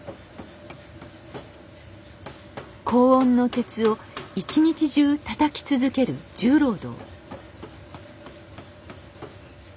高温の鉄を一日中たたき続ける重労働。